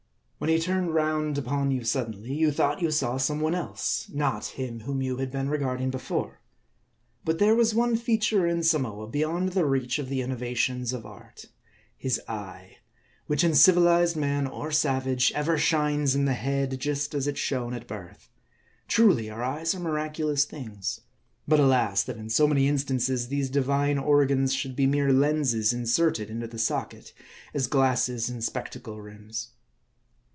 When he turned round upon you suddenly, you thought you saw some one else, not him whom you had been regarding before. *, But there was one feature in Samoa beyond the reach of the .innovations of art : his eye ; which in civilized man or savage, ever shines in the head, just as it shone at birth. Truly, our eyes are miraculous things. But alas, that in so many instances, these divine organs should be mere lenses inserted into the socket, as glasses in spectacle rims.